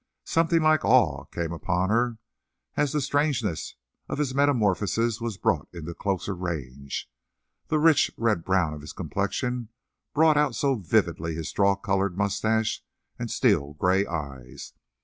Something like awe came upon her as the strangeness of his metamorphosis was brought into closer range; the rich, red brown of his complexion brought out so vividly his straw coloured mustache and steel gray eyes.